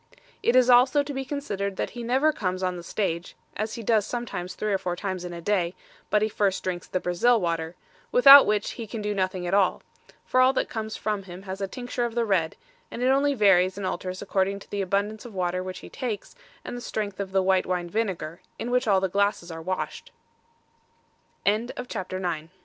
It is also to be considered that he never comes on the stage (as he does sometimes three or four times in a day) but he first drinks the Brazil water, without which he can do nothing at all, for all that comes from him has a tincture of the red, and it only varies and alters according to the abundance of water which he takes, and the strength of the white wine vinegar, in which all the glasses are washed. CHAPTER TEN DEFIERS